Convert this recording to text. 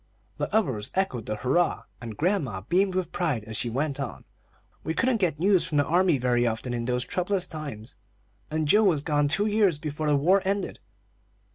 The others echoed the hurrah, and grandma beamed with pride as she went on: "We couldn't get news from the army very often in those troublous times, and Joe was gone two years before the war ended.